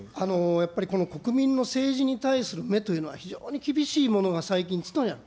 やっぱりこの国民の政治に対する目というのは、非常に厳しいものが最近、つとにある。